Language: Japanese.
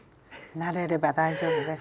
慣れれば大丈夫です。